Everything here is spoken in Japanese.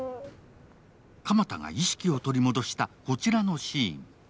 鎌田が意識を取り戻したこちらのシーン。